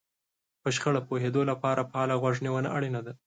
په شخړه پوهېدو لپاره فعاله غوږ نيونه اړينه ده.